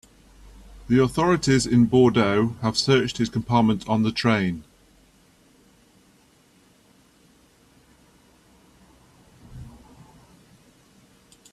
The authorities in Bordeaux have searched his compartment on the train.